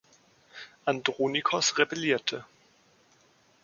Andronikos rebellierte.